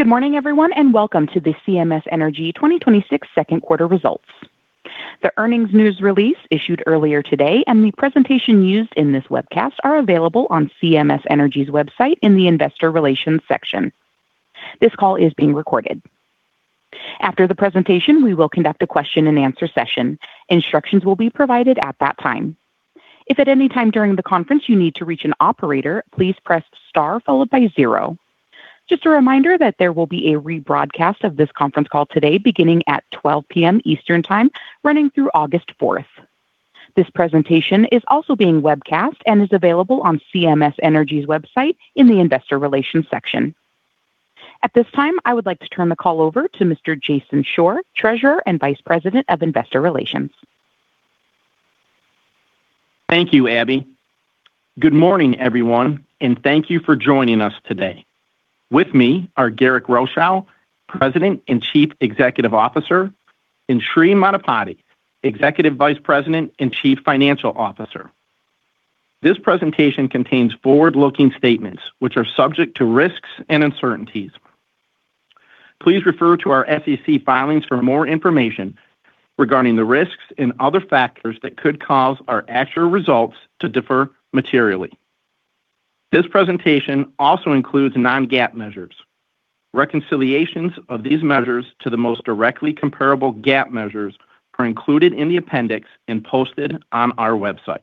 Good morning everyone, welcome to the CMS Energy 2026 Second Quarter Results. The earnings news release issued earlier today and the presentation used in this webcast are available on CMS Energy's website in the investor relations section. This call is being recorded. After the presentation, we will conduct a question-and-answer session. Instructions will be provided at that time. If at any time during the conference you need to reach an operator, please press star followed by zero. Just a reminder that there will be a rebroadcast of this conference call today beginning at 12:00 P.M. Eastern Time, running through August 4th. This presentation is also being webcast and is available on CMS Energy's website in the investor relations section. At this time, I would like to turn the call over to Mr. Jason Shore, Treasurer and Vice President of Investor Relations. Thank you, Abby. Good morning, everyone, thank you for joining us today. With me are Garrick Rochow, President and Chief Executive Officer, and Sri Maddipati, Executive Vice President and Chief Financial Officer. This presentation contains forward-looking statements which are subject to risks and uncertainties. Please refer to our SEC filings for more information regarding the risks and other factors that could cause our actual results to differ materially. This presentation also includes non-GAAP measures. Reconciliations of these measures to the most directly comparable GAAP measures are included in the appendix and posted on our website.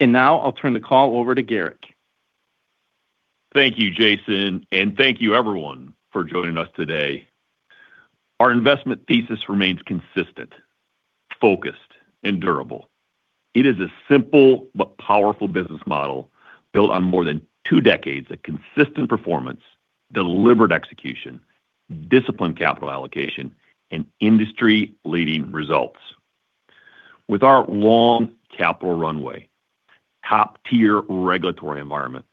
Now I'll turn the call over to Garrick. Thank you, Jason, thank you everyone for joining us today. Our investment thesis remains consistent, focused, and durable. It is a simple but powerful business model built on more than two decades of consistent performance, deliberate execution, disciplined capital allocation, and industry-leading results. With our long capital runway, top-tier regulatory environment,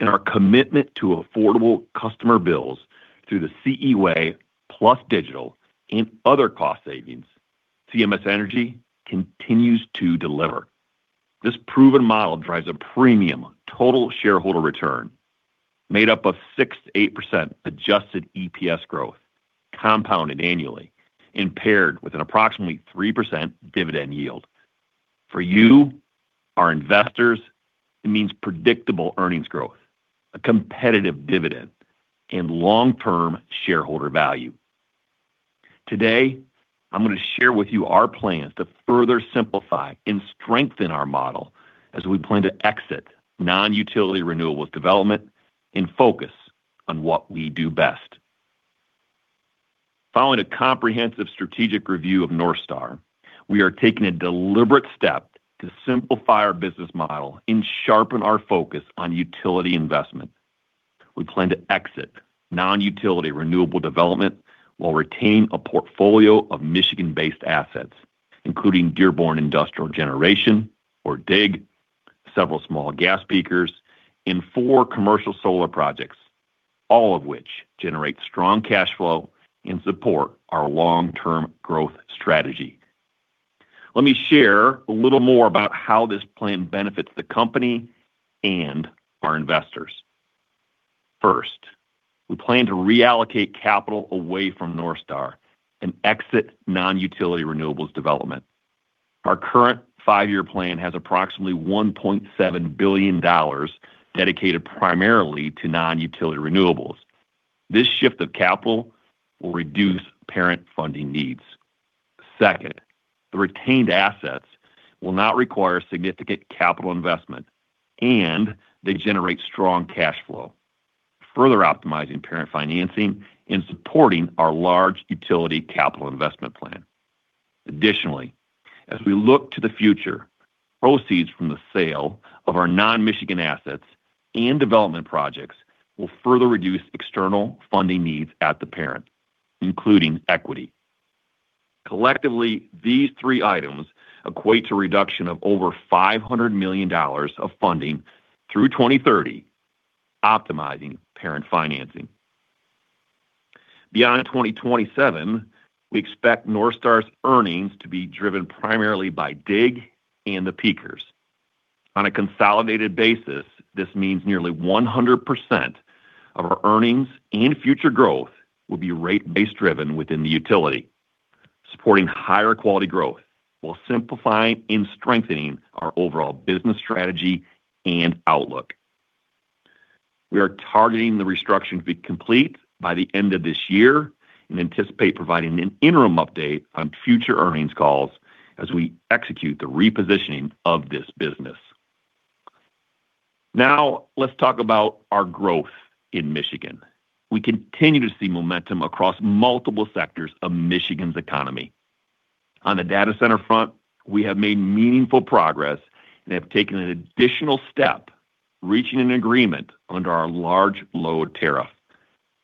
and our commitment to affordable customer bills through the CE Way plus digital and other cost savings, CMS Energy continues to deliver. This proven model drives a premium total shareholder return made up of 6%-8% adjusted EPS growth compounded annually and paired with an approximately 3% dividend yield. For you, our investors, it means predictable earnings growth, a competitive dividend, and long-term shareholder value. Today, I'm going to share with you our plans to further simplify and strengthen our model as we plan to exit non-utility renewables development and focus on what we do best. Following a comprehensive strategic review of NorthStar, we are taking a deliberate step to simplify our business model and sharpen our focus on utility investment. We plan to exit non-utility renewable development while retaining a portfolio of Michigan-based assets, including Dearborn Industrial Generation, or DIG, several small gas peakers, and four commercial solar projects, all of which generate strong cash flow and support our long-term growth strategy. Let me share a little more about how this plan benefits the company and our investors. First, we plan to reallocate capital away from NorthStar and exit non-utility renewables development. Our current five-year plan has approximately $1.7 billion dedicated primarily to non-utility renewables. This shift of capital will reduce parent funding needs. Second, the retained assets will not require significant capital investment, and they generate strong cash flow, further optimizing parent financing and supporting our large utility capital investment plan. Additionally, as we look to the future, proceeds from the sale of our non-Michigan assets and development projects will further reduce external funding needs at the parent, including equity. Collectively, these three items equate to a reduction of over $500 million of funding through 2030, optimizing parent financing. Beyond 2027, we expect NorthStar's earnings to be driven primarily by DIG and the peakers. On a consolidated basis, this means nearly 100% of our earnings and future growth will be rate base driven within the utility, supporting higher quality growth while simplifying and strengthening our overall business strategy and outlook. We are targeting the restructuring to be complete by the end of this year and anticipate providing an interim update on future earnings calls as we execute the repositioning of this business. Let's talk about our growth in Michigan. We continue to see momentum across multiple sectors of Michigan's economy. On the data center front, we have made meaningful progress and have taken an additional step, reaching an agreement under our large load tariff.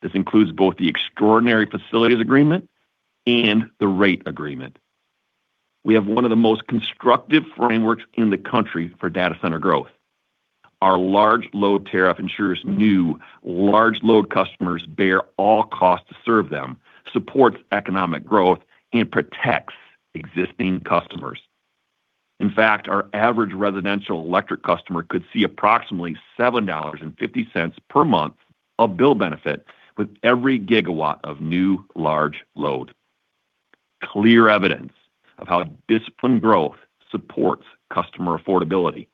This includes both the extraordinary facilities agreement and the rate agreement. We have one of the most constructive frameworks in the country for data center growth. Our large load tariff ensures new large load customers bear all costs to serve them, supports economic growth, and protects existing customers. In fact, our average residential electric customer could see approximately $7.50 per month of bill benefit with every gigawatt of new large load. Clear evidence of how disciplined growth supports customer affordability.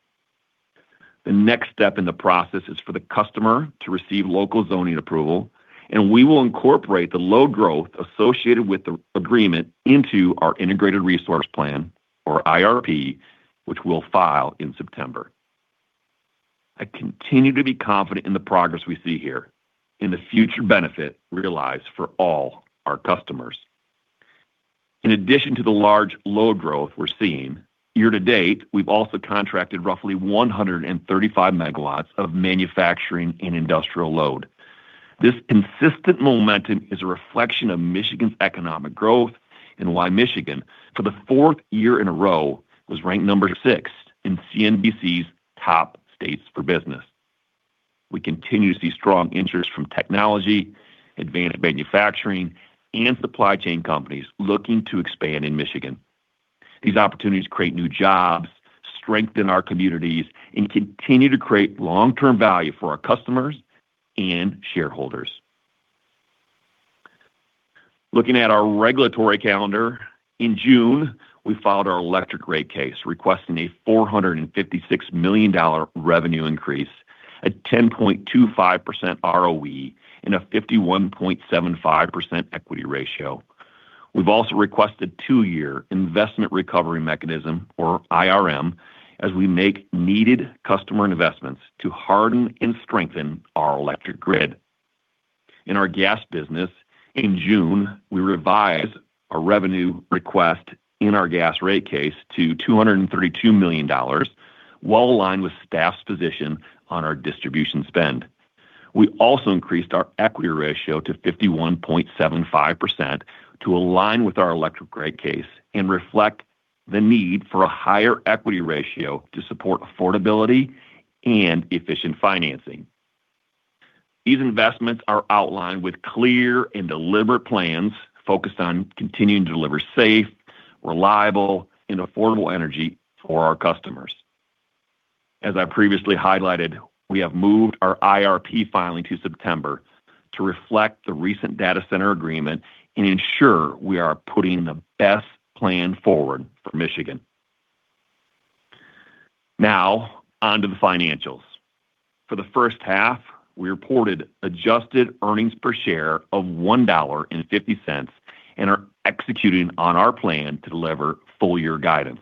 The next step in the process is for the customer to receive local zoning approval, and we will incorporate the load growth associated with the agreement into our integrated resource plan, or IRP, which we will file in September. I continue to be confident in the progress we see here and the future benefit realized for all our customers. In addition to the large load growth we are seeing, year to date, we have also contracted roughly 135 MW of manufacturing and industrial load. This consistent momentum is a reflection of Michigan's economic growth and why Michigan, for the fourth year in a row, was ranked number six in CNBC's top states for business. We continue to see strong interest from technology, advanced manufacturing, and supply chain companies looking to expand in Michigan. These opportunities create new jobs, strengthen our communities, and continue to create long-term value for our customers and shareholders. Looking at our regulatory calendar. In June, we filed our electric rate case requesting a $456 million revenue increase, a 10.25% ROE, and a 51.75% equity ratio. We have also requested two-year investment recovery mechanism, or IRM, as we make needed customer investments to harden and strengthen our electric grid. In our gas business, in June, we revised a revenue request in our gas rate case to $232 million, well aligned with staff's position on our distribution spend. We also increased our equity ratio to 51.75% to align with our electric rate case and reflect the need for a higher equity ratio to support affordability and efficient financing. These investments are outlined with clear and deliberate plans focused on continuing to deliver safe, reliable, and affordable energy for our customers. As I previously highlighted, we have moved our IRP filing to September to reflect the recent data center agreement and ensure we are putting the best plan forward for Michigan. Now, onto the financials. For the first half, we reported adjusted EPS of $1.50 and are executing on our plan to deliver full-year guidance.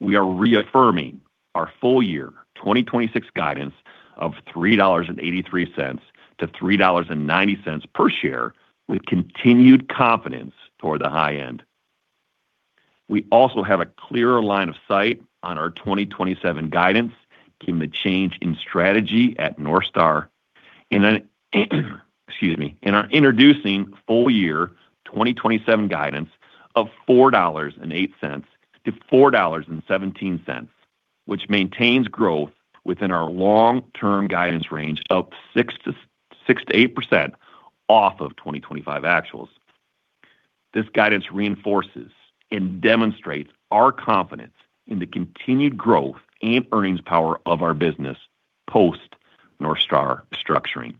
We are reaffirming our full-year 2026 guidance of $3.83 to $3.90 per share with continued confidence toward the high end. We also have a clearer line of sight on our 2027 guidance given the change in strategy at NorthStar, and our introducing full-year 2027 guidance of $4.08 to $4.17, which maintains growth within our long-term guidance range of 6%-8% off of 2025 actuals. This guidance reinforces and demonstrates our confidence in the continued growth and earnings power of our business post NorthStar restructuring.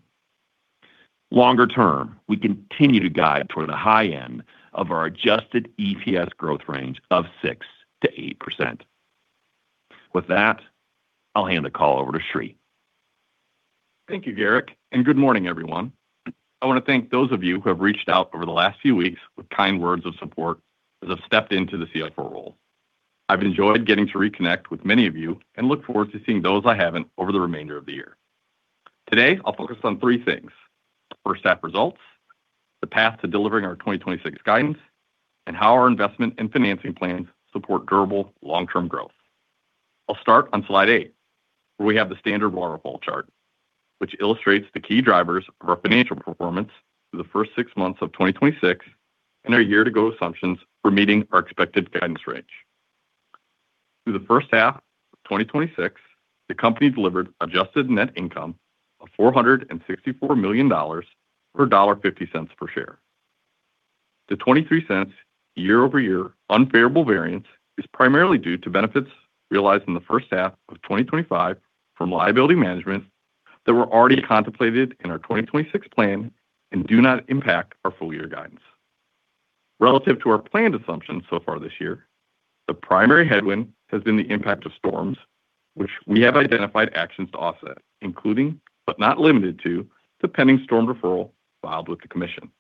Longer term, we continue to guide toward the high end of our adjusted EPS growth range of 6%-8%. With that, I'll hand the call over to Sri. Thank you, Garrick, and good morning, everyone. I want to thank those of you who have reached out over the last few weeks with kind words of support as I've stepped into the Chief Financial Officer role. I've enjoyed getting to reconnect with many of you and look forward to seeing those I haven't over the remainder of the year. Today, I'll focus on three things: first half results, the path to delivering our 2026 guidance, and how our investment and financing plans support durable long-term growth. I'll start on slide eight, where we have the standard waterfall chart, which illustrates the key drivers of our financial performance through the first six months of 2026 and our year-to-go assumptions for meeting our expected guidance range. Through the first half of 2026, the company delivered adjusted net income of $464 million or $1.50 per share. The $0.23 year-over-year unfavorable variance is primarily due to benefits realized in the first half of 2025 from liability management that were already contemplated in our 2026 plan and do not impact our full-year guidance. Relative to our planned assumptions so far this year, the primary headwind has been the impact of storms, which we have identified actions to offset, including, but not limited to, the pending storm deferral filed with the commission.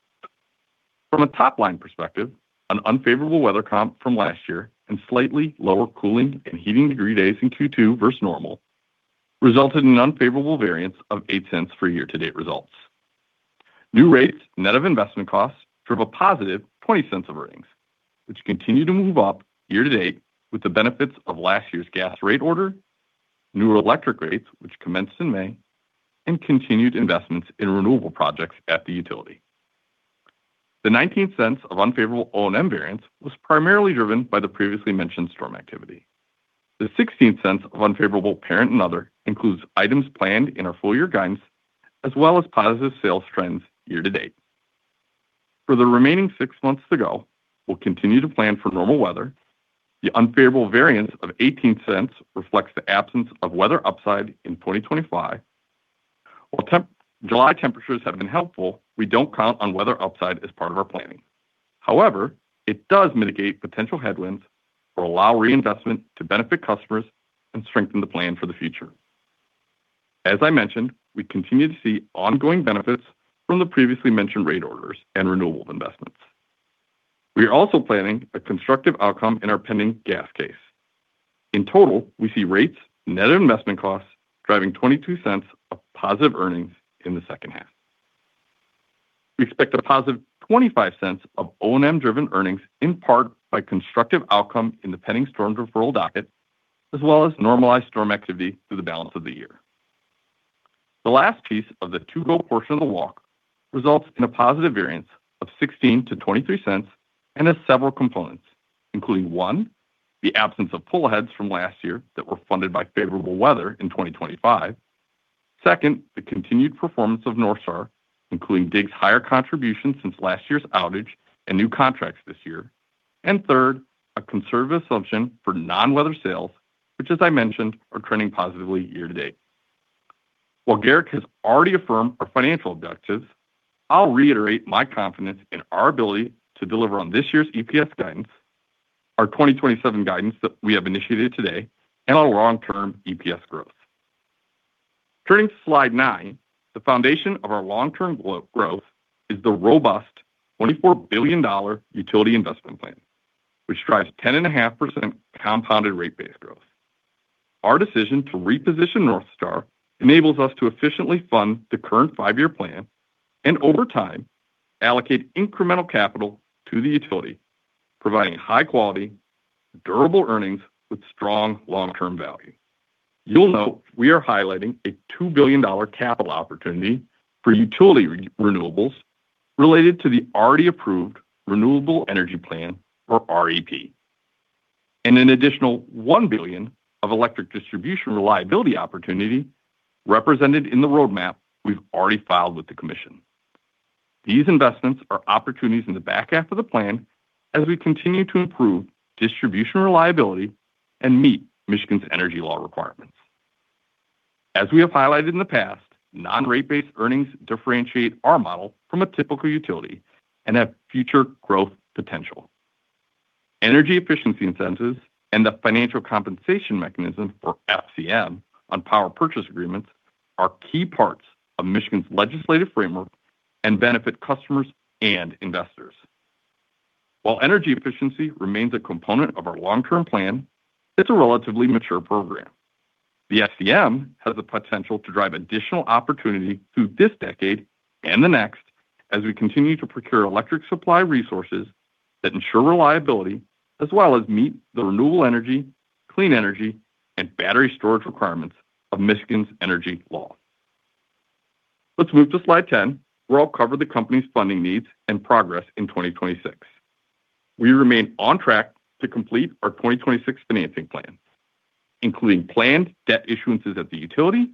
From a top-line perspective, an unfavorable weather comp from last year and slightly lower cooling and heating degree days in Q2 versus normal resulted in an unfavorable variance of $0.08 for year-to-date results. New rates, net of investment costs, drove a positive $0.20 of earnings, which continue to move up year to date with the benefits of last year's gas rate order, new electric rates, which commenced in May, and continued investments in renewable projects at the utility. The $0.19 of unfavorable O&M variance was primarily driven by the previously mentioned storm activity. The $0.16 of unfavorable parent and other includes items planned in our full-year guidance, as well as positive sales trends year to date. For the remaining six months to go, we'll continue to plan for normal weather. The unfavorable variance of $0.18 reflects the absence of weather upside in 2025. While July temperatures have been helpful, we don't count on weather upside as part of our planning. However, it does mitigate potential headwinds or allow reinvestment to benefit customers and strengthen the plan for the future. As I mentioned, we continue to see ongoing benefits from the previously mentioned rate orders and renewable investments. We are also planning a constructive outcome in our pending gas case. In total, we see rates and net investment costs driving $0.22 of positive earnings in the second half. We expect a positive $0.25 of O&M-driven earnings, in part by constructive outcome in the pending storms referral docket, as well as normalized storm activity through the balance of the year. The last piece of the to-go portion of the walk results in a positive variance of $0.16-$0.23 and has several components, including, one, the absence of pull aheads from last year that were funded by favorable weather in 2025. Second, the continued performance of NorthStar, including DIG's higher contribution since last year's outage and new contracts this year. Third, a conservative assumption for non-weather sales, which, as I mentioned, are trending positively year to date. While Garrick has already affirmed our financial objectives, I'll reiterate my confidence in our ability to deliver on this year's EPS guidance, our 2027 guidance that we have initiated today, and our long-term EPS growth. Turning to slide nine, the foundation of our long-term growth is the robust $24 billion utility investment plan, which drives 10.5% compounded rate base growth. Our decision to reposition NorthStar enables us to efficiently fund the current five-year plan and, over time, allocate incremental capital to the utility, providing high-quality, durable earnings with strong long-term value. You'll note we are highlighting a $2 billion capital opportunity for utility renewables related to the already approved Renewable Energy Plan, or REP, and an additional $1 billion of electric distribution reliability opportunity represented in the roadmap we've already filed with the commission. These investments are opportunities in the back half of the plan as we continue to improve distribution reliability and meet Michigan's energy law requirements. As we have highlighted in the past, non-rate base earnings differentiate our model from a typical utility and have future growth potential. Energy efficiency incentives and the Financial Compensation Mechanism, or FCM, on power purchase agreements are key parts of Michigan's legislative framework and benefit customers and investors. While energy efficiency remains a component of our long-term plan, it's a relatively mature program. The FCM has the potential to drive additional opportunity through this decade and the next as we continue to procure electric supply resources that ensure reliability as well as meet the renewable energy, clean energy, and battery storage requirements of Michigan's energy law. Let's move to slide 10, where I'll cover the company's funding needs and progress in 2026. We remain on track to complete our 2026 financing plan, including planned debt issuances at the utility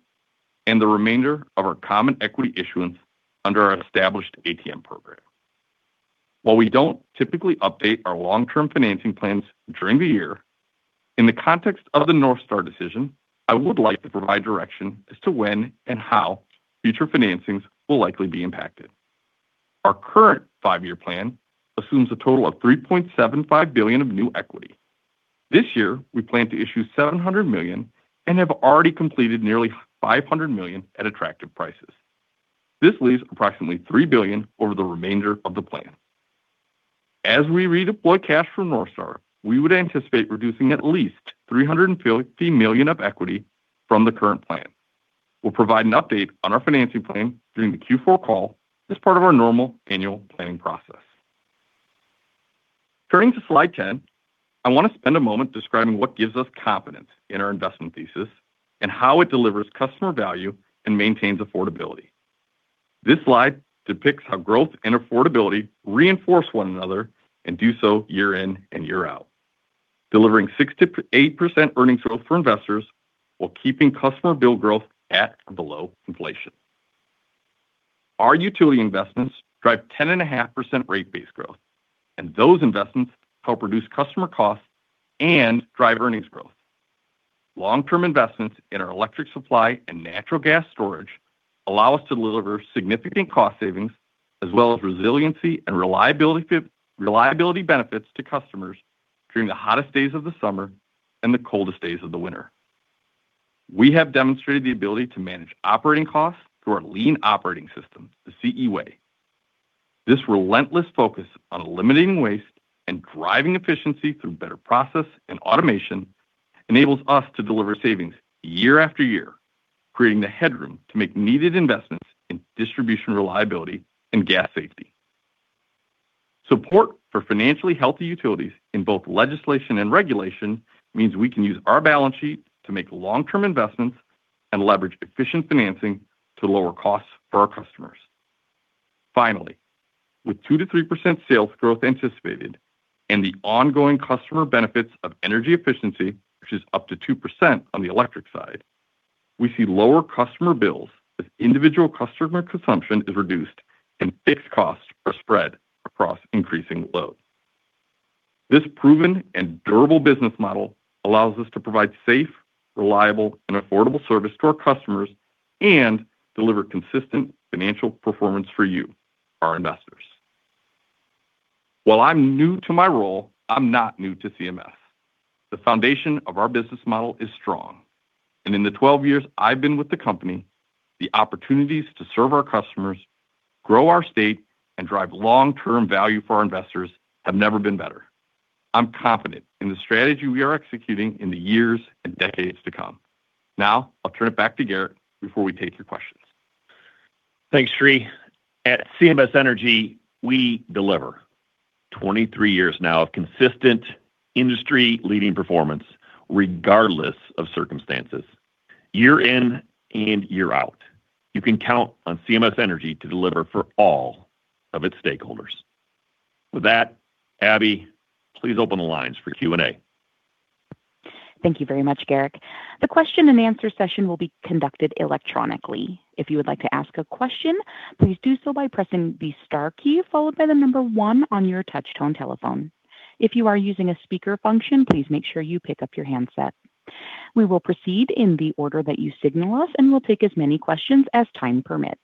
and the remainder of our common equity issuance under our established ATM program. While we don't typically update our long-term financing plans during the year, in the context of the NorthStar decision, I would like to provide direction as to when and how future financings will likely be impacted. Our current five-year plan assumes a total of $3.75 billion of new equity. This year, we plan to issue $700 million and have already completed nearly $500 million at attractive prices. This leaves approximately $3 billion over the remainder of the plan. As we redeploy cash from NorthStar, we would anticipate reducing at least $350 million of equity from the current plan. We'll provide an update on our financing plan during the Q4 call as part of our normal annual planning process. Turning to slide 10, I want to spend a moment describing what gives us confidence in our investment thesis and how it delivers customer value and maintains affordability. This slide depicts how growth and affordability reinforce one another and do so year in and year out, delivering 6%-8% earnings growth for investors while keeping customer bill growth at or below inflation. Our utility investments drive 10.5% rate base growth, and those investments help reduce customer costs and drive earnings growth. Long-term investments in our electric supply and natural gas storage allow us to deliver significant cost savings as well as resiliency and reliability benefits to customers during the hottest days of the summer and the coldest days of the winter. We have demonstrated the ability to manage operating costs through our lean operating system, the CE Way. This relentless focus on eliminating waste and driving efficiency through better process and automation enables us to deliver savings year after year, creating the headroom to make needed investments in distribution reliability and gas safety. Support for financially healthy utilities in both legislation and regulation means we can use our balance sheet to make long-term investments and leverage efficient financing to lower costs for our customers. Finally, with 2%-3% sales growth anticipated and the ongoing customer benefits of energy efficiency, which is up to 2% on the electric side, we see lower customer bills as individual customer consumption is reduced and fixed costs are spread across increasing loads. This proven and durable business model allows us to provide safe, reliable, and affordable service to our customers and deliver consistent financial performance for you, our investors. While I'm new to my role, I'm not new to CMS. The foundation of our business model is strong, and in the 12 years I've been with the company, the opportunities to serve our customers, grow our state, and drive long-term value for our investors have never been better. I'm confident in the strategy we are executing in the years and decades to come. Now, I'll turn it back to Garrick before we take your questions. Thanks, Sri. At CMS Energy, we deliver 23 years now of consistent industry-leading performance, regardless of circumstances. Year in and year out, you can count on CMS Energy to deliver for all of its stakeholders. With that, Abby, please open the lines for Q&A. Thank you very much, Garrick. The question and answer session will be conducted electronically. If you would like to ask a question, please do so by pressing the star key, followed by the number one on your touch tone telephone. If you are using a speaker function, please make sure you pick up your handset. We will proceed in the order that you signal us, and we'll take as many questions as time permits.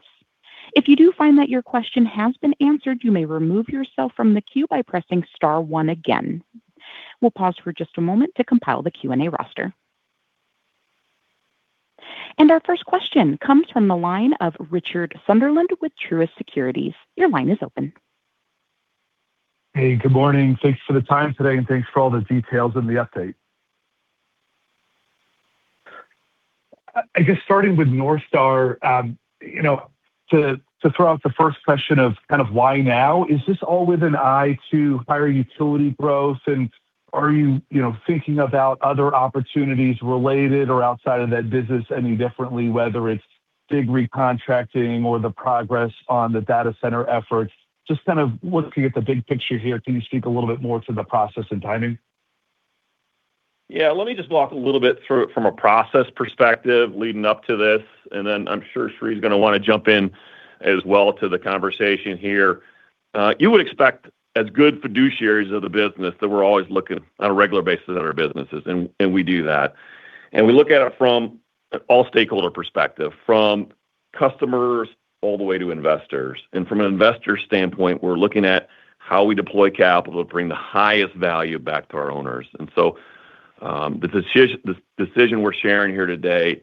If you do find that your question has been answered, you may remove yourself from the queue by pressing star one again. We'll pause for just a moment to compile the Q&A roster. Our first question comes from the line of Richard Sunderland with Truist Securities. Your line is open. Hey, good morning. Thanks for the time today, and thanks for all the details and the update. I guess starting with NorthStar, to throw out the first question of kind of why now? Is this all with an eye to higher utility growth, and are you thinking about other opportunities related or outside of that business any differently, whether it's big recontracting or the progress on the data center efforts? Just kind of looking at the big picture here, can you speak a little bit more to the process and timing? Yeah, let me just walk a little bit through it from a process perspective leading up to this, and then I'm sure Sri is going to want to jump in as well to the conversation here. You would expect as good fiduciaries of the business that we're always looking on a regular basis at our businesses, and we do that. We look at it from an all stakeholder perspective, from customers all the way to investors. From an investor standpoint, we're looking at how we deploy capital to bring the highest value back to our owners. The decision we're sharing here today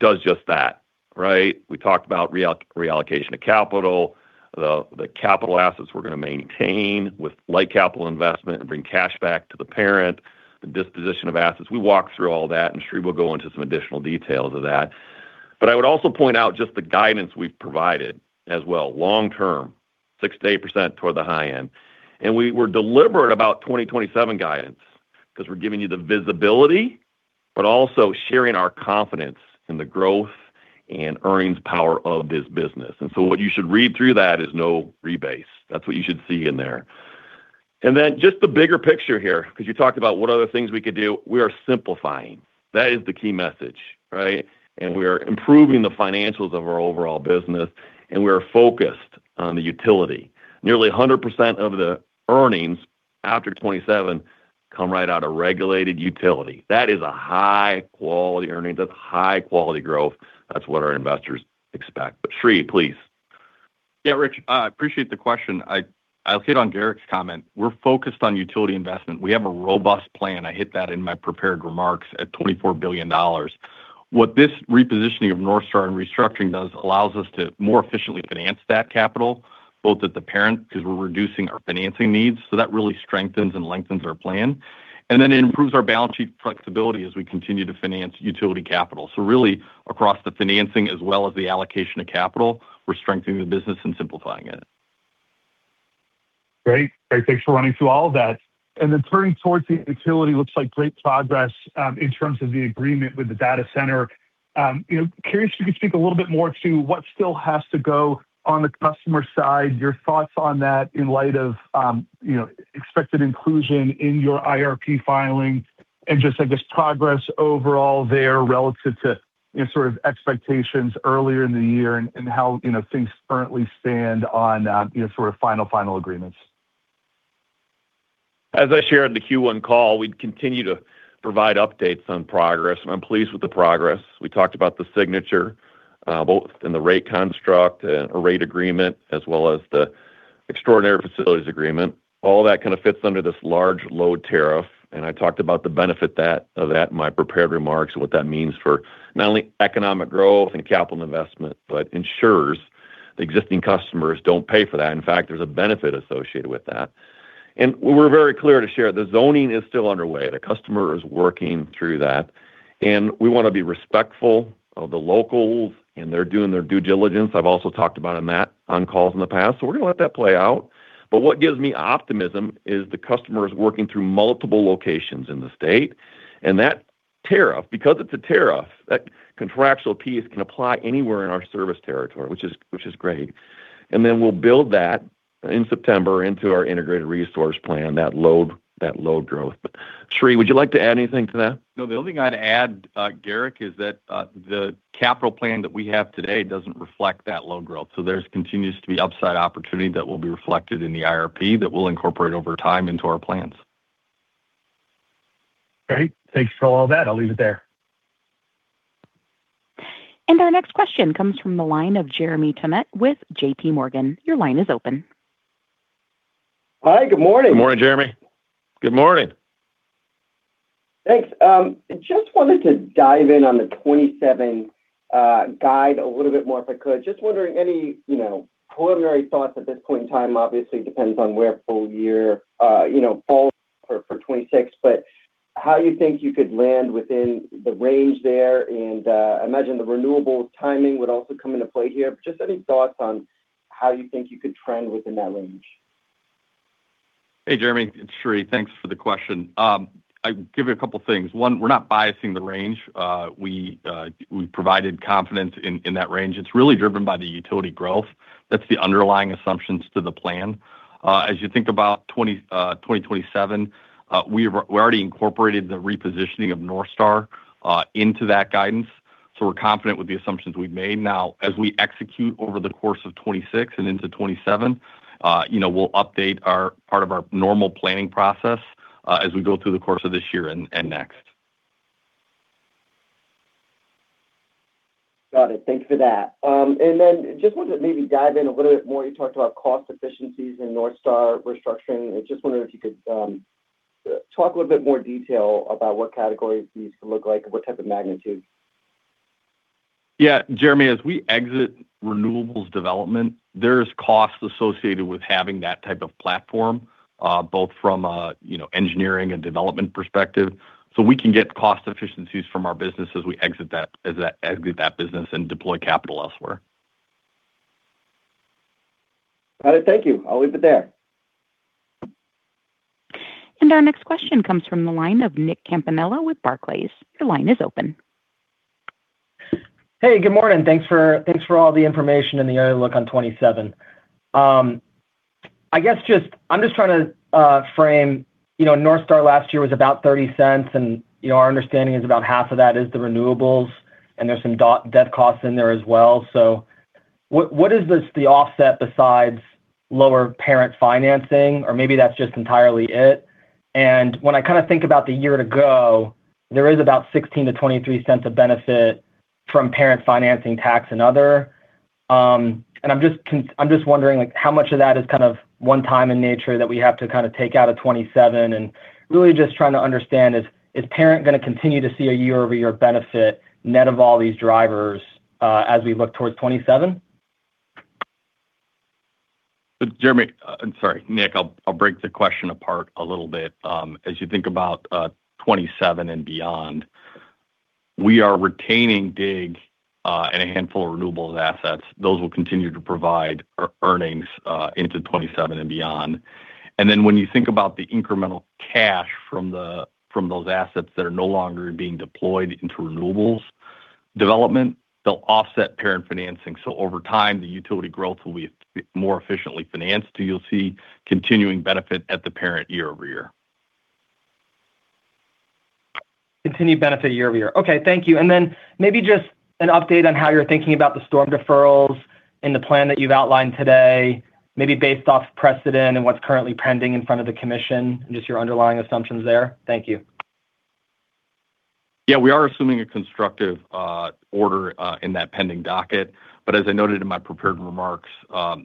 does just that. Right? We talked about reallocation of capital, the capital assets we're going to maintain with light capital investment and bring cash back to the parent, the disposition of assets. We walk through all that, Sri will go into some additional details of that. I would also point out just the guidance we've provided as well, long-term, 6%-8% toward the high end. We're deliberate about 2027 guidance because we're giving you the visibility, but also sharing our confidence in the growth and earnings power of this business. What you should read through that is no rebase. That's what you should see in there. Just the bigger picture here, because you talked about what other things we could do, we are simplifying. That is the key message, right? We are improving the financials of our overall business, and we are focused on the utility. Nearly 100% of the earnings after 2027 come right out of regulated utility. That is a high-quality earning. That's high-quality growth. That's what our investors expect. Sri, please. Rich, I appreciate the question. I'll hit on Garrick's comment. We're focused on utility investment. We have a robust plan, I hit that in my prepared remarks, at $24 billion. What this repositioning of NorthStar and restructuring does, allows us to more efficiently finance that capital, both at the parent, because we're reducing our financing needs. That really strengthens and lengthens our plan. It improves our balance sheet flexibility as we continue to finance utility capital. Really, across the financing as well as the allocation of capital, we're strengthening the business and simplifying it. Great. Thanks for running through all of that. Turning towards the utility, looks like great progress in terms of the agreement with the data center. Curious if you could speak a little bit more to what still has to go on the customer side, your thoughts on that in light of expected inclusion in your IRP filing, and just, I guess, progress overall there relative to sort of expectations earlier in the year and how things currently stand on sort of final agreements. As I shared in the Q1 call, we'd continue to provide updates on progress, and I'm pleased with the progress. We talked about the signature, both in the rate construct and a rate agreement, as well as the extraordinary facilities agreement. All that kind of fits under this large load tariff, and I talked about the benefit of that in my prepared remarks, what that means for not only economic growth and capital investment, but ensures the existing customers don't pay for that. In fact, there's a benefit associated with that. We're very clear to share the zoning is still underway. The customer is working through that, and we want to be respectful of the locals, and they're doing their due diligence. I've also talked about that on calls in the past, so we're going to let that play out. What gives me optimism is the customer is working through multiple locations in the state, and that tariff, because it's a tariff, that contractual piece can apply anywhere in our service territory, which is great. Then we'll build that in September into our Integrated Resource Plan, that load growth. Sri, would you like to add anything to that? The only thing I'd add, Garrick, is that the capital plan that we have today doesn't reflect that load growth. There continues to be upside opportunity that will be reflected in the IRP that we'll incorporate over time into our plans. Great. Thanks for all that. I'll leave it there. Our next question comes from the line of Jeremy Tonet with JPMorgan. Your line is open. Hi, good morning. Good morning, Jeremy. Good morning. Thanks. Just wanted to dive in on the 2027 guide a little bit more, if I could. Just wondering, any preliminary thoughts at this point in time, obviously depends on where full year falls for 2026, but how you think you could land within the range there and I imagine the renewables timing would also come into play here. Just any thoughts on how you think you could trend within that range. Hey, Jeremy, it's Sri. Thanks for the question. I'd give you a couple of things. One, we're not biasing the range. We provided confidence in that range. It's really driven by the utility growth. That's the underlying assumptions to the plan. As you think about 2027, we already incorporated the repositioning of NorthStar into that guidance, so we're confident with the assumptions we've made. Now, as we execute over the course of 2026 and into 2027, we'll update part of our normal planning process as we go through the course of this year and next. Got it. Thanks for that. Just wanted to maybe dive in a little bit more. You talked about cost efficiencies and NorthStar restructuring. I just wondered if you could talk a little bit more detail about what categories these could look like and what type of magnitude. Yeah. Jeremy, as we exit renewables development, there is costs associated with having that type of platform, both from engineering and development perspective. We can get cost efficiencies from our business as we exit that business and deploy capital elsewhere. Got it. Thank you. I'll leave it there. Our next question comes from the line of Nick Campanella with Barclays. Your line is open. Hey, good morning. Thanks for all the information and the early look on 2027. I guess I'm just trying to frame, NorthStar last year was about $0.30, and our understanding is about half of that is the renewables, and there's some debt costs in there as well. What is the offset besides lower parent financing? Or maybe that's just entirely it. When I think about the year to go, there is about $0.16-$0.23 of benefit from parent financing tax and other. I'm just wondering, how much of that is one time in nature that we have to take out of 2027? Really just trying to understand is parent going to continue to see a year-over-year benefit net of all these drivers as we look towards 2027? Jeremy. I'm sorry, Nick. I'll break the question apart a little bit. As you think about 2027 and beyond, we are retaining DIG and a handful of renewables assets. Those will continue to provide earnings into 2027 and beyond. When you think about the incremental cash from those assets that are no longer being deployed into renewables development, they'll offset parent financing. Over time, the utility growth will be more efficiently financed. You'll see continuing benefit at the parent year-over-year. Continued benefit year-over-year. Okay, thank you. Then maybe just an update on how you're thinking about the storm deferrals in the plan that you've outlined today, maybe based off precedent and what's currently pending in front of the Commission and just your underlying assumptions there. Thank you. Yeah, we are assuming a constructive order in that pending Docket. As I noted in my prepared remarks,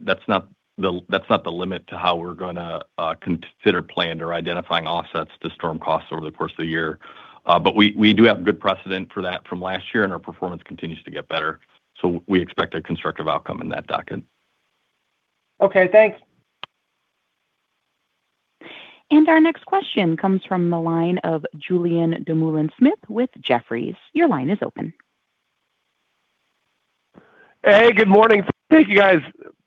that's not the limit to how we're going to consider planned or identifying offsets to storm costs over the course of the year. We do have good precedent for that from last year, and our performance continues to get better. We expect a constructive outcome in that Docket. Okay, thanks. Our next question comes from the line of Julien Dumoulin-Smith with Jefferies. Your line is open. Hey, good morning. Thank you, guys.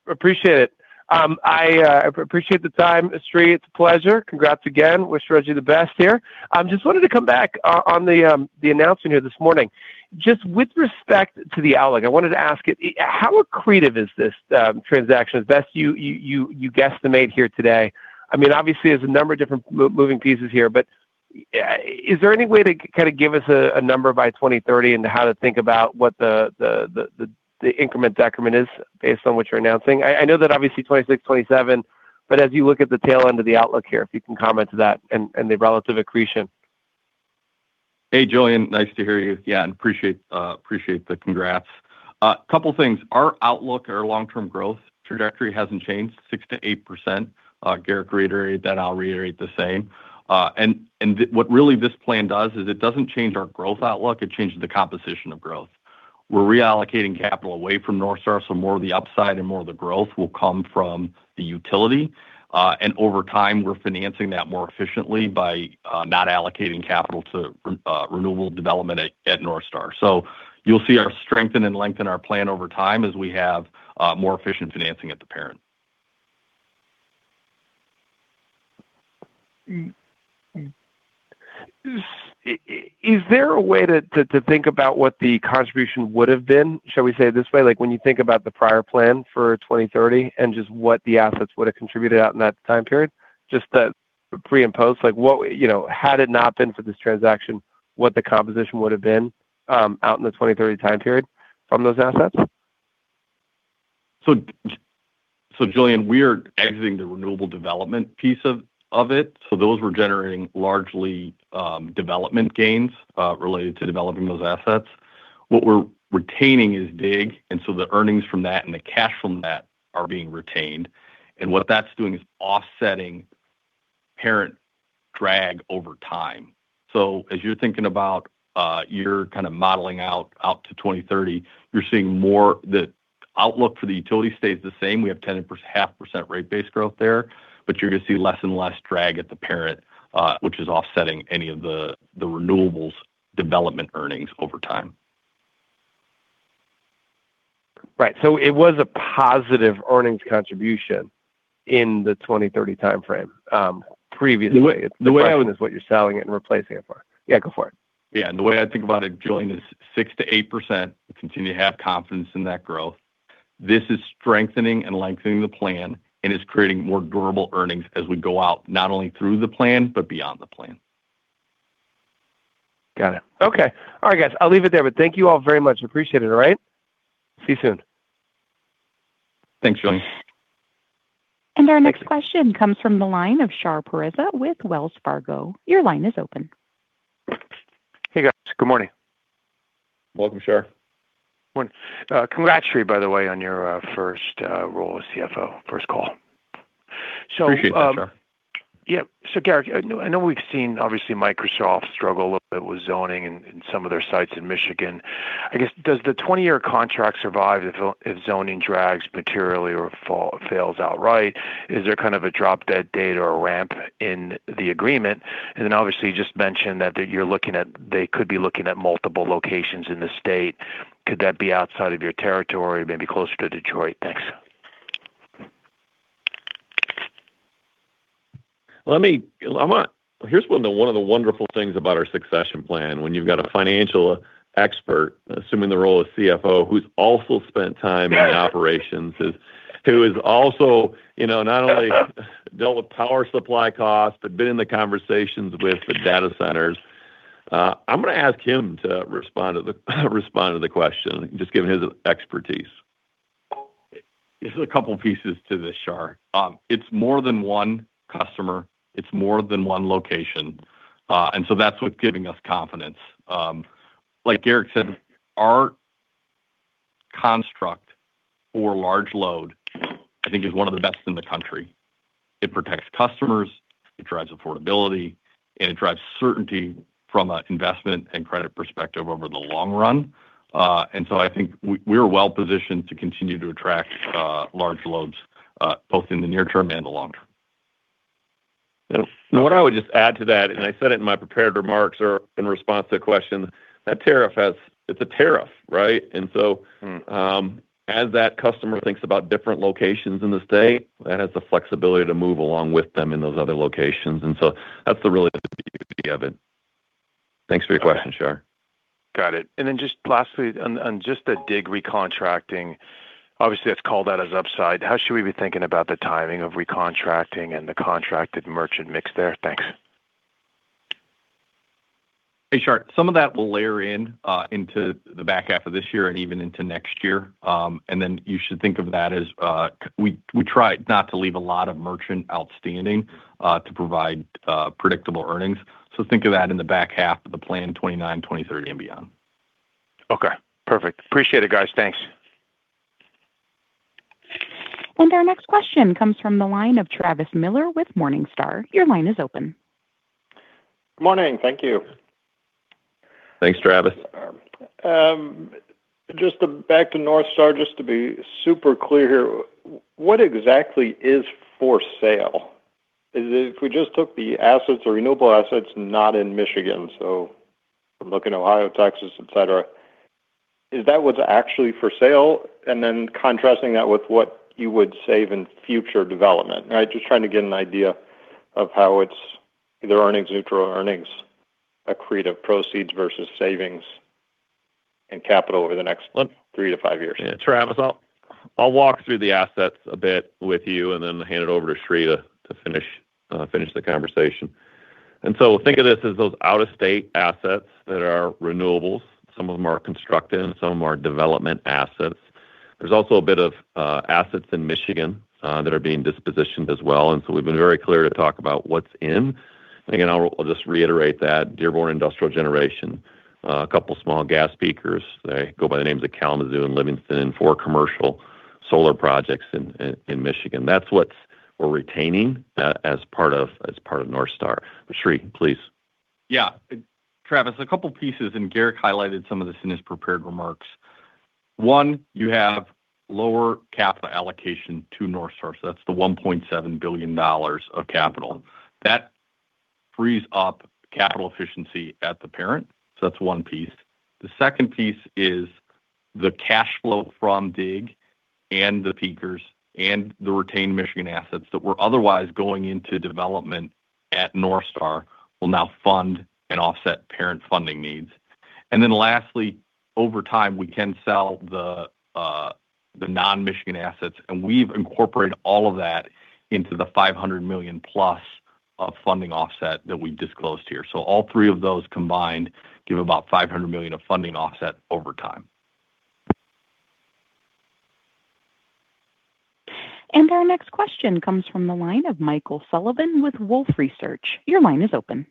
Appreciate it. I appreciate the time, Sri. It's a pleasure. Congrats again. Wish Reggie the best here. Just wanted to come back on the announcement here this morning. Just with respect to the outlook, I wanted to ask, how accretive is this transaction as best you guesstimate here today? I mean, obviously, there's a number of different moving pieces here, but is there any way to kind of give us a number by 2030 and how to think about what the increment decrement is based on what you're announcing? I know that obviously 2026, 2027, but as you look at the tail end of the outlook here, if you can comment to that and the relative accretion. Hey, Julien, nice to hear you. Yeah, appreciate the congrats. Couple things. Our outlook, our long-term growth trajectory hasn't changed, 6%-8%. Garrick reiterated that, I'll reiterate the same. What really this plan does is it doesn't change our growth outlook, it changes the composition of growth. We're reallocating capital away from NorthStar, so more of the upside and more of the growth will come from the utility. Over time, we're financing that more efficiently by not allocating capital to renewable development at NorthStar. So you'll see our strength and then lengthen our plan over time as we have more efficient financing at the parent. Is there a way to think about what the contribution would've been, shall we say it this way, when you think about the prior plan for 2030 and just what the assets would've contributed out in that time period? Just the pre and post, had it not been for this transaction, what the composition would've been out in the 2030 time period from those assets? Julien, we are exiting the renewable development piece of it. Those were generating largely development gains related to developing those assets. What we're retaining is DIG, and so the earnings from that and the cash from that are being retained. What that's doing is offsetting parent drag over time. As you're thinking about your modeling out to 2030, you're seeing more. The outlook for the utility stays the same. We have 10.5% rate base growth there, but you're going to see less and less drag at the parent, which is offsetting any of the renewables development earnings over time. Right. It was a positive earnings contribution in the 2030 timeframe, previously. The question is what you're selling it and replacing it for. Yeah, go for it. Yeah. The way I think about it, Julien, is 6%-8%, we continue to have confidence in that growth. This is strengthening and lengthening the plan and is creating more durable earnings as we go out, not only through the plan but beyond the plan. Got it. Okay. All right, guys, I'll leave it there. Thank you all very much. Appreciate it. All right. See you soon. Thanks, Julien. Our next question comes from the line of Shar Pourreza with Wells Fargo. Your line is open. Hey, guys. Good morning. Welcome, Shar. Morning. Congrats, Sri, by the way, on your first role as Chie Financial Officer, first call. Appreciate that, Shar. Yeah. Garrick, I know we've seen, obviously, Microsoft struggle a little bit with zoning in some of their sites in Michigan. I guess, does the 20-year contract survive if zoning drags materially or fails outright? Is there a drop-dead date or a ramp in the agreement? Then obviously you just mentioned that they could be looking at multiple locations in the state. Could that be outside of your territory, maybe closer to Detroit? Thanks. Here's one of the wonderful things about our succession plan. When you've got a financial expert assuming the role of Chief Financial Officer who's also spent time in operations, who has also not only dealt with power supply costs, but been in the conversations with the data centers. I'm going to ask him to respond to the question, just given his expertise. There's a couple pieces to this, Shar. It's more than one customer, it's more than one location. That's what's giving us confidence. Like Garrick said, our construct for large load, I think, is one of the best in the country. It protects customers, it drives affordability, and it drives certainty from an investment and credit perspective over the long run. I think we're well positioned to continue to attract large loads, both in the near term and the long term. What I would just add to that, I said it in my prepared remarks or in response to a question, that tariff, it's a tariff. Right. As that customer thinks about different locations in the state, that has the flexibility to move along with them in those other locations. That's the really the beauty of it. Thanks for your question, Shar. Got it. Just lastly, on just the DIG recontracting, obviously that's called out as upside. How should we be thinking about the timing of recontracting and the contracted merchant mix there? Thanks. Hey, Shar. Some of that will layer in into the back half of this year and even into next year. You should think of that as we try not to leave a lot of merchant outstanding to provide predictable earnings. Think of that in the back half of the plan 2029, 2030 and beyond. Okay, perfect. Appreciate it, guys. Thanks. Our next question comes from the line of Travis Miller with Morningstar. Your line is open. Good morning. Thank you. Thanks, Travis. Just back to NorthStar, just to be super clear, what exactly is for sale? If we just took the assets, the renewable assets, not in Michigan, so looking a lot of taxes, etc. Is that what actually for sale? Contrasting that with what you would save in future development. Right? Just trying to get an idea of how it's either earnings neutral or earnings accretive proceeds versus savings and capital over the next three to five years. Yeah. Travis, I'll walk through the assets a bit with you and then hand it over to Sri to finish the conversation. Think of this as those out-of-state assets that are renewables. Some of them are constructive and some of them are development assets. There's also a bit of assets in Michigan that are being dispositioned as well. We've been very clear to talk about what's in. Again, I'll just reiterate that Dearborn Industrial Generation, a couple small gas peakers, they go by the names of Kalamazoo and Livingston, and four commercial solar projects in Michigan. That's what we're retaining as part of NorthStar. Sri, please. Yeah. Travis, a couple pieces, and Garrick highlighted some of this in his prepared remarks. One, you have lower capital allocation to NorthStar. That's the $1.7 billion of capital. That frees up capital efficiency at the parent. That's one piece. The second piece is the cash flow from DIG and the peakers and the retained Michigan assets that were otherwise going into development at NorthStar will now fund and offset parent funding needs. Lastly, over time, we can sell the non-Michigan assets, and we've incorporated all of that into the $500+ million of funding offset that we've disclosed here. All three of those combined give about $500 million of funding offset over time. Our next question comes from the line of Michael Sullivan with Wolfe Research. Your line is open.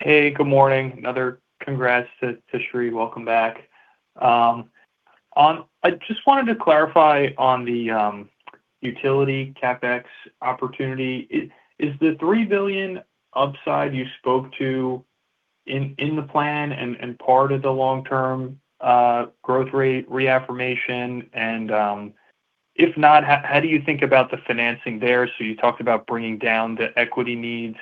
Hey, good morning. Another congrats to Sri. Welcome back. I just wanted to clarify on the utility CapEx opportunity. Is the $3 billion upside you spoke to in the plan and part of the long-term growth rate reaffirmation? If not, how do you think about the financing there? You talked about bringing down the equity needs,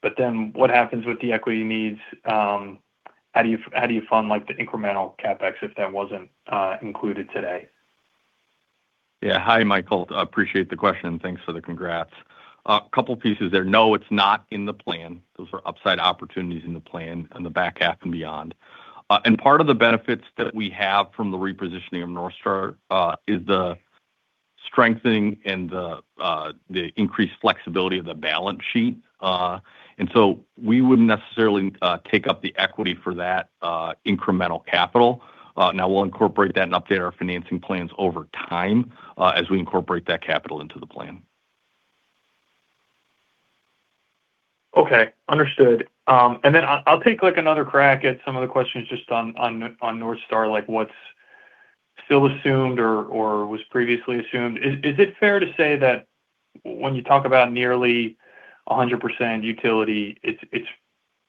what happens with the equity needs? How do you fund the incremental CapEx if that wasn't included today? Yeah. Hi, Michael. Appreciate the question and thanks for the congrats. A couple of pieces there. No, it's not in the plan. Those are upside opportunities in the plan in the back half and beyond. Part of the benefits that we have from the repositioning of NorthStar is the strengthening and the increased flexibility of the balance sheet. We wouldn't necessarily take up the equity for that incremental capital. We'll incorporate that and update our financing plans over time as we incorporate that capital into the plan. Okay. Understood. I'll take another crack at some of the questions just on NorthStar, like what's still assumed or was previously assumed. Is it fair to say that when you talk about nearly 100% utility, it's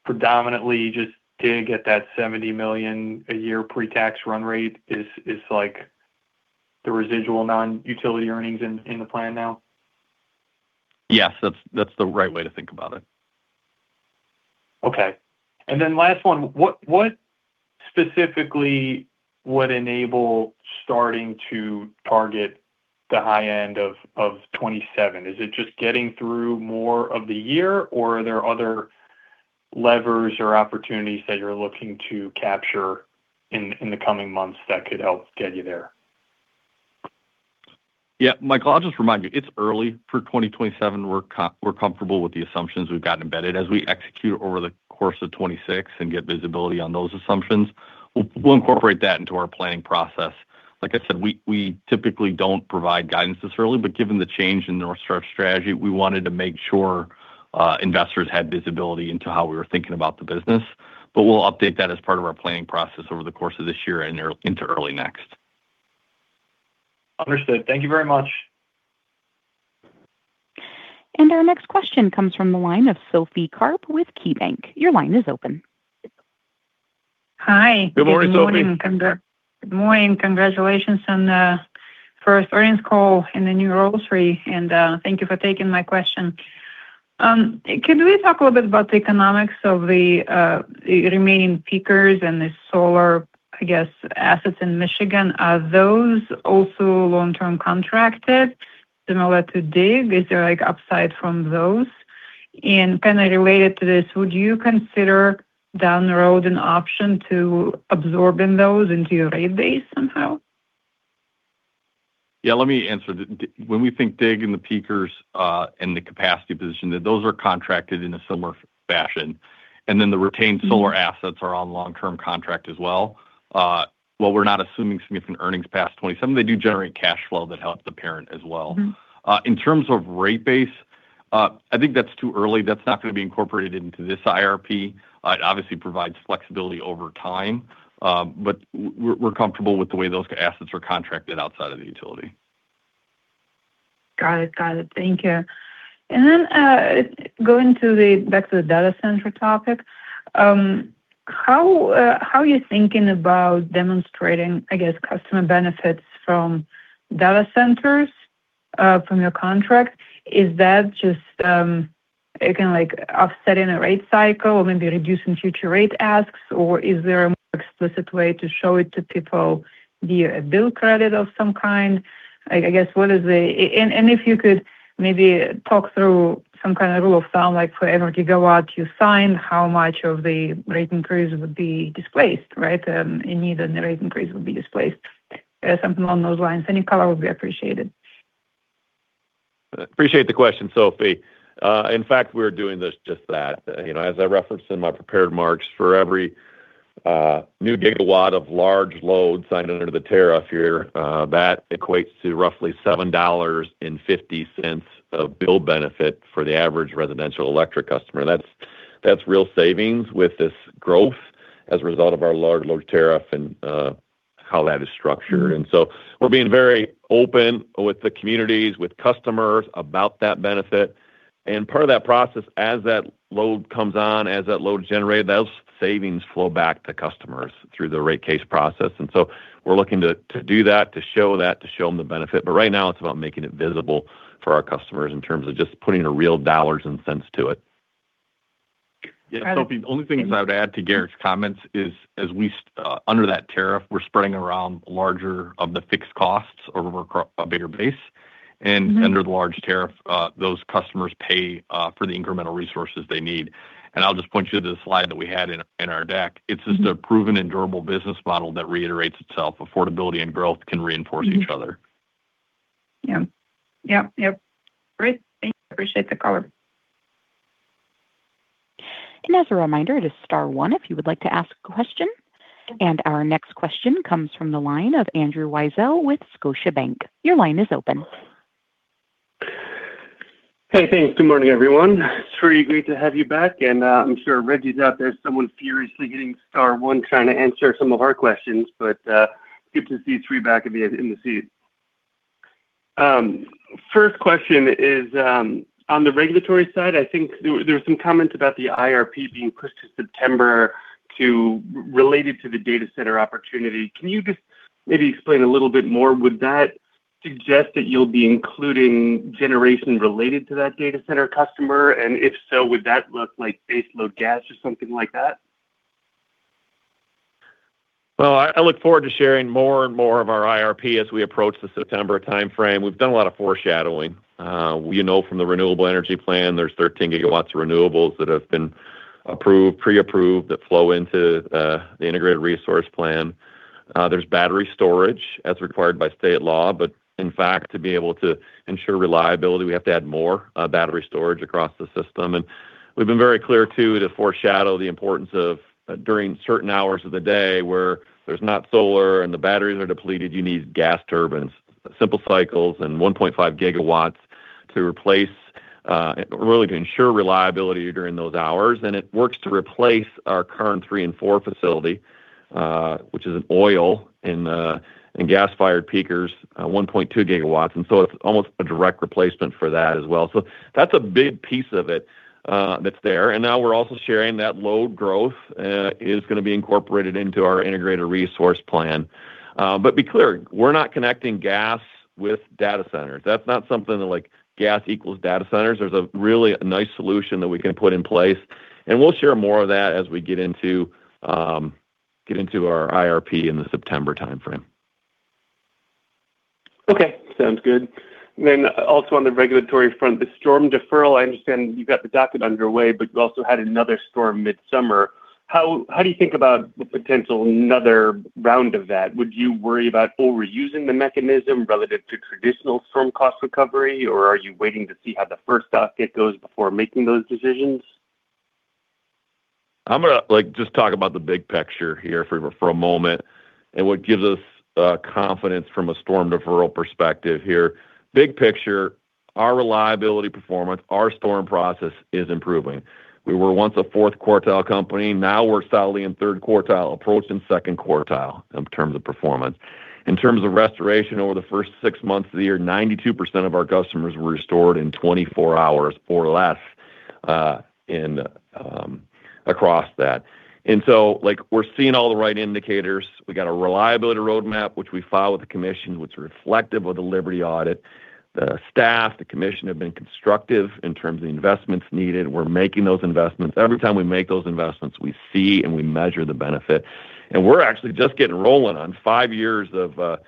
predominantly just DIG at that $70 million a year pre-tax run rate, is the residual non-utility earnings in the plan now? Yes, that's the right way to think about it. Okay. Last one, what specifically would enable starting to target the high end of 2027? Is it just getting through more of the year, or are there other levers or opportunities that you're looking to capture in the coming months that could help get you there? Yeah, Michael, I'll just remind you, it's early for 2027. We're comfortable with the assumptions we've gotten embedded. As we execute over the course of 2026 and get visibility on those assumptions, we'll incorporate that into our planning process. Like I said, we typically don't provide guidance this early, but given the change in NorthStar Clean Energy strategy, we wanted to make sure investors had visibility into how we were thinking about the business. We'll update that as part of our planning process over the course of this year and into early next. Understood. Thank you very much. Our next question comes from the line of Sophie Karp with KeyBanc. Your line is open. Hi. Good morning, Sophie. Good morning. Congratulations on the first earnings call in the new role, Sri, and thank you for taking my question. Can we talk a little bit about the economics of the remaining peakers and the solar, I guess, assets in Michigan? Are those also long-term contracted, similar to DIG? Is there upside from those? And kind of related to this, would you consider down the road an option to absorbing those into your rate base somehow? Yeah, let me answer. When we think DIG and the peakers and the capacity position, those are contracted in a similar fashion. Then the retained solar assets are on long-term contract as well. While we're not assuming significant earnings past 2027, they do generate cash flow that helps the parent as well. In terms of rate base, I think that's too early. That's not going to be incorporated into this IRP. It obviously provides flexibility over time. We're comfortable with the way those assets are contracted outside of the utility. Got it. Thank you. Then, going back to the data center topic, how are you thinking about demonstrating, I guess, customer benefits from data centers from your contract? Is that just offsetting a rate cycle or maybe reducing future rate asks, or is there a more explicit way to show it to people via a bill credit of some kind? If you could maybe talk through some kind of rule of thumb, like for every gigawatt you sign, how much of the rate increase would be displaced? Right? In need, then the rate increase would be displaced. Something along those lines. Any color would be appreciated. Appreciate the question, Sophie. In fact, we're doing just that. As I referenced in my prepared remarks, for every new gigawatt of large load signed under the tariff here, that equates to roughly $7.50 of bill benefit for the average residential electric customer. That's real savings with this growth as a result of our large load tariff and how that is structured. So we're being very open with the communities, with customers about that benefit. Part of that process, as that load comes on, as that load is generated, those savings flow back to customers through the rate case process. So we're looking to do that, to show that, to show them the benefit. Right now, it's about making it visible for our customers in terms of just putting a real dollars and cents to it. Yeah, Sophie, the only thing I would add to Garrick's comments is under that tariff, we're spreading around larger of the fixed costs over a bigger base. Under the large tariff, those customers pay for the incremental resources they need. I'll just point you to the slide that we had in our deck. It's just a proven and durable business model that reiterates itself. Affordability and growth can reinforce each other. Yeah. Great. Thank you. Appreciate the color. As a reminder, it is star one if you would like to ask a question. Our next question comes from the line of Andrew Weisel with Scotiabank. Your line is open. Hey, thanks. Good morning, everyone. Sri, great to have you back. I'm sure Reggie's out there somewhere furiously hitting star one, trying to answer some of our questions. Good to see you three back in the seat. First question is, on the regulatory side, I think there's some comments about the IRP being pushed to September, related to the data center opportunity. Can you just maybe explain a little bit more? Would that suggest that you'll be including generation related to that data center customer, and if so, would that look like base load gas or something like that? Well, I look forward to sharing more and more of our IRP as we approach the September timeframe. We've done a lot of foreshadowing. We know from the Renewable Energy Plan, there's 13 GW of renewables that have been pre-approved that flow into the Integrated Resource Plan. There's battery storage as required by state law, in fact, to be able to ensure reliability, we have to add more battery storage across the system. We've been very clear, too, to foreshadow the importance of during certain hours of the day where there's not solar and the batteries are depleted, you need gas turbines, simple cycles, and 1.5 GW to ensure reliability during those hours. It works to replace our current three and four facility, which is an oil and gas-fired peakers, 1.2 GW. So it's almost a direct replacement for that as well. That's a big piece of it that's there. Now we're also sharing that load growth is going to be incorporated into our integrated resource plan. Be clear, we're not connecting gas with data centers. That's not something like gas equals data centers. There's a really nice solution that we can put in place, and we'll share more of that as we get into our IRP in the September timeframe. Okay, sounds good. Also on the regulatory front, the storm deferral, I understand you've got the docket underway, but you also had another storm midsummer. How do you think about the potential another round of that? Would you worry about overusing the mechanism relative to traditional storm cost recovery, or are you waiting to see how the first docket goes before making those decisions? I'm going to just talk about the big picture here for a moment and what gives us confidence from a storm deferral perspective here. Big picture, our reliability performance, our storm process is improving. We were once a fourth quartile company. Now we're solidly in third quartile, approaching second quartile in terms of performance. In terms of restoration over the first six months of the year, 92% of our customers were restored in 24 hours or less across that. We're seeing all the right indicators. We got a reliability roadmap, which we file with the commission, which is reflective of the Liberty audit. The staff, the commission have been constructive in terms of the investments needed. We're making those investments. Every time we make those investments, we see and we measure the benefit. We're actually just getting rolling on five years of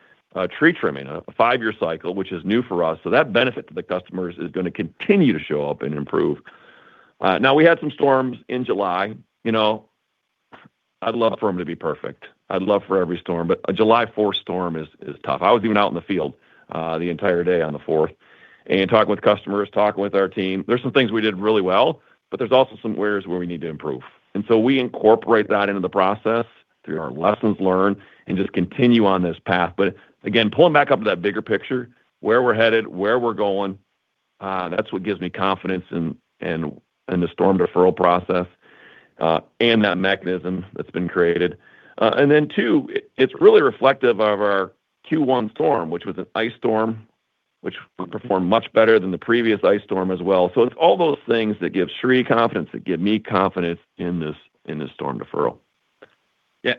tree trimming, a five-year cycle, which is new for us. That benefit to the customers is going to continue to show up and improve. Now, we had some storms in July. I'd love for them to be perfect. I'd love for every storm, but a July 4th storm is tough. I was even out in the field the entire day on the fourth and talking with customers, talking with our team. There's some things we did really well, but there's also some areas where we need to improve. We incorporate that into the process through our lessons learned and just continue on this path. Again, pulling back up to that bigger picture, where we're headed, where we're going, that's what gives me confidence in the storm deferral process, and that mechanism that's been created. Two, it's really reflective of our Q1 storm, which was an ice storm, which performed much better than the previous ice storm as well. It's all those things that give Sri confidence, that give me confidence in this storm deferral. Yeah.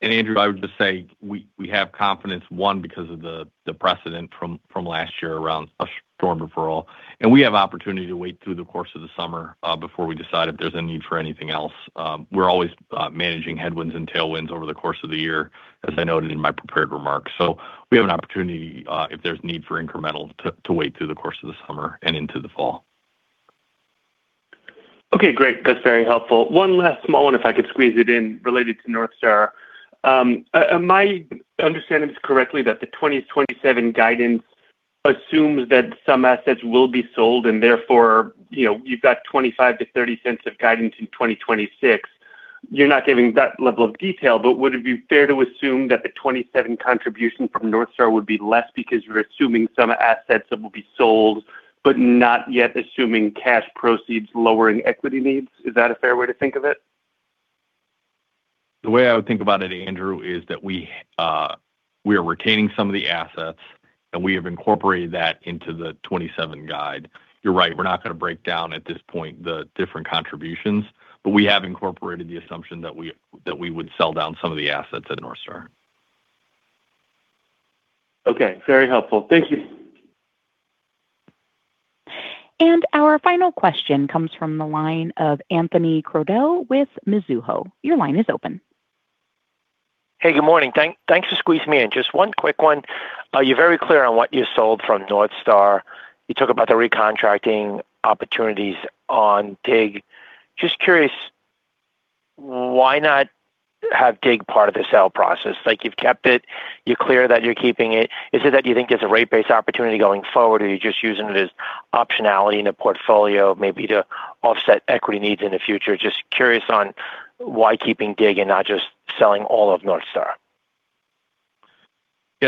Andrew, I would just say we have confidence, one, because of the precedent from last year around a storm deferral, and we have opportunity to wait through the course of the summer before we decide if there's a need for anything else. We're always managing headwinds and tailwinds over the course of the year, as I noted in my prepared remarks. We have an opportunity, if there's need for incremental, to wait through the course of the summer and into the fall. Okay, great. That's very helpful. One last small one, if I could squeeze it in, related to NorthStar. Am my understanding is correctly that the 2027 guidance assumes that some assets will be sold and therefore, you've got $0.25-$0.30 of guidance in 2026. You're not giving that level of detail, but would it be fair to assume that the 2027 contribution from NorthStar would be less because you're assuming some assets that will be sold, but not yet assuming cash proceeds lowering equity needs? Is that a fair way to think of it? The way I would think about it, Andrew, is that we are retaining some of the assets, and we have incorporated that into the 2027 guide. You're right, we're not going to break down at this point the different contributions, but we have incorporated the assumption that we would sell down some of the assets at NorthStar. Okay. Very helpful. Thank you. Our final question comes from the line of Anthony Crowdell with Mizuho. Your line is open. Hey, good morning. Thanks for squeezing me in. Just one quick one. You're very clear on what you sold from NorthStar. You talked about the recontracting opportunities on DIG. Just curious, why not have DIG part of the sale process? Like, you've kept it. You're clear that you're keeping it. Is it that you think there's a rate-based opportunity going forward, or are you just using it as optionality in a portfolio maybe to offset equity needs in the future? Just curious on why keeping DIG and not just selling all of NorthStar.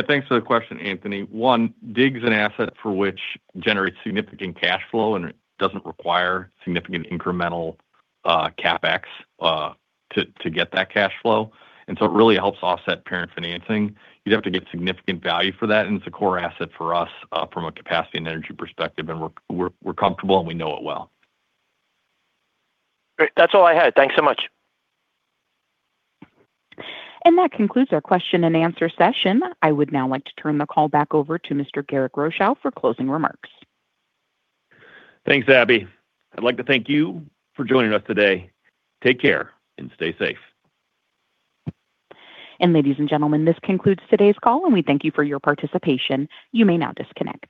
Thanks for the question, Anthony. One, DIG's an asset for which generates significant cash flow, and it doesn't require significant incremental CapEx to get that cash flow. It really helps offset parent financing. You'd have to get significant value for that, and it's a core asset for us from a capacity and energy perspective, and we're comfortable and we know it well. Great. That's all I had. Thanks so much. That concludes our question and answer session. I would now like to turn the call back over to Mr. Garrick Rochow for closing remarks. Thanks, Abby. I'd like to thank you for joining us today. Take care and stay safe. Ladies and gentlemen, this concludes today's call and we thank you for your participation. You may now disconnect.